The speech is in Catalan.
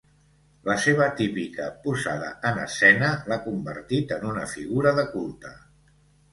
La seva típica posada en escena l'ha convertit en una figura de culte.